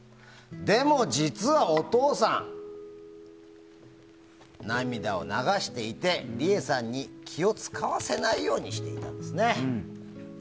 でも、実はお父さん涙を流していてリエさんの気を使わないようにしていたんですね。